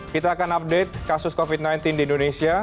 kita akan update kasus covid sembilan belas di indonesia